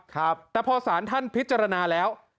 แต่พอสารท่านพิจารณาแล้ว